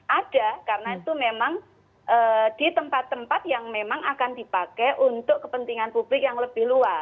ada karena itu memang di tempat tempat yang memang akan dipakai untuk kepentingan publik yang lebih luas